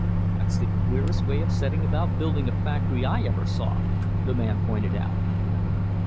"That's the queerest way of setting about building a factory I ever saw," the man pointed out.